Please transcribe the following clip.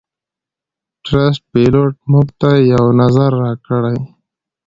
ټرسټ پیلوټ - موږ ته یو نظر راکړئ